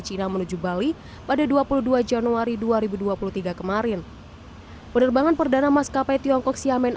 cina menuju bali pada dua puluh dua januari dua ribu dua puluh tiga kemarin penerbangan perdana maskapai tiongkok xiamen